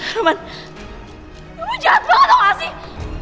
roman kamu jahat banget tau gak sih